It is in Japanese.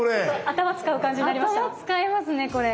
頭使いますねこれ。